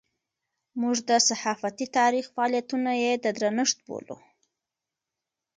موږ د صحافتي تاریخ فعالیتونه یې د درنښت بولو.